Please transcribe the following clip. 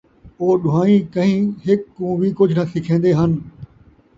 او ݙُوہاہیں کہیں ہِک کُوں وِی کُجھ نہ سکھیندے ہَن،